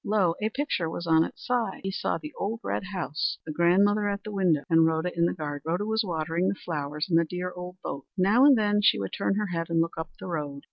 Lo! a picture was on its side. He saw the old red house, the grandmother at the window, and Rhoda in the garden. Rhoda was watering the flowers in the dear old boat. Now and then she would turn her head and look up the road.